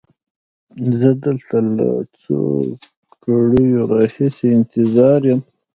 زه دلته له څو ګړیو را هیسې انتظار کومه.